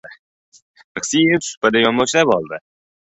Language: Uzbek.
Rixsiyev supada yonboshlab oldi.